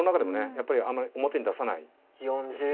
やっぱりあんまり表に出さないですよね。